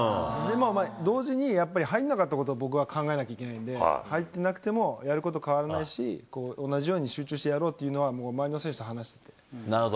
同時に、やっぱり入らなかったことを僕は考えなきゃいけないんで、入ってなくても、やること変わらないし、同じように集中してやろうっていうのは、もう周りの選手と話してなるほど。